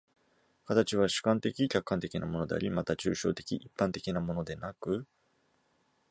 形は主観的・客観的なものであり、また抽象的一般的なものでなく、